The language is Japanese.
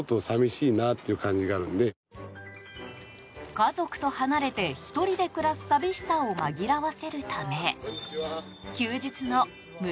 家族と離れて、１人で暮らす寂しさを紛らわせるため休日の村